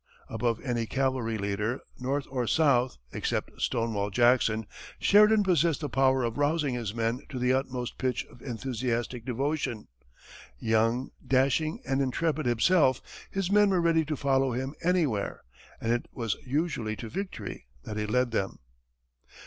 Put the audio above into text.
Above any cavalry leader, North or South, except "Stonewall" Jackson, Sheridan possessed the power of rousing his men to the utmost pitch of enthusiastic devotion; young, dashing and intrepid himself, his men were ready to follow him anywhere and it was usually to victory that he led them.